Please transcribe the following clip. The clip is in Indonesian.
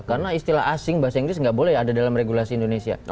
karena istilah asing bahasa inggris nggak boleh ada dalam regulasi indonesia